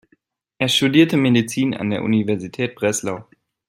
Er studierte Medizin an der Universität Breslau.